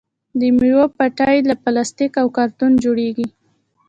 د میوو پیټۍ له پلاستیک او کارتن جوړیږي.